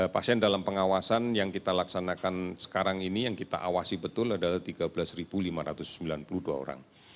pasien dalam pengawasan yang kita laksanakan sekarang ini yang kita awasi betul adalah tiga belas lima ratus sembilan puluh dua orang